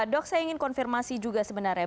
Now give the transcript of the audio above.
dok saya ingin konfirmasi juga sebenarnya